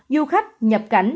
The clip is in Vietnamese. du khách nhập cảnh